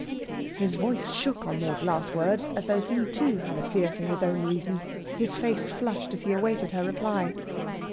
His voice shook on these last words as though he, too, had a fear for his own reason. His face flushed as he awaited her reply.